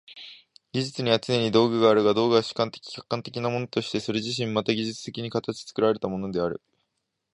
技術にはつねに道具があるが、道具は主観的・客観的なものとしてそれ自身また技術的に形作られたものである。